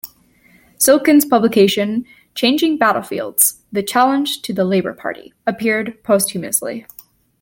Silkin's publication "Changing Battlefields: The Challenge to the Labour Party" appeared posthumously.